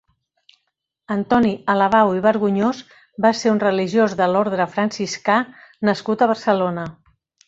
Antoni Alabau i Vergonyós va ser un religiós de l'orde franciscà nascut a Barcelona.